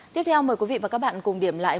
tiếp theo mời quý vị và các bạn cùng điểm lại